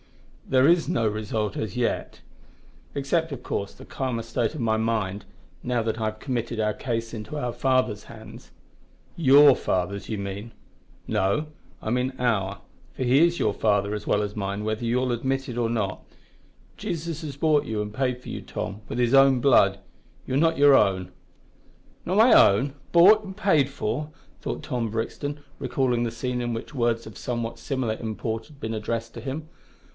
"There is no result as yet except, of course, the calmer state of my mind, now that I have committed our case into our Father's hands." "Your Father's, you mean." "No, I mean our, for He is your father as well as mine, whether you admit it or not. Jesus has bought you and paid for you, Tom, with His own blood. You are not your own." "Not my own? bought and paid for!" thought Brixton, recalling the scene in which words of somewhat similar import had been addressed to him.